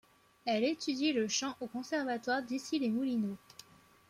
Elle étudie le chant au conservatoire d'Issy-les-Moulineaux.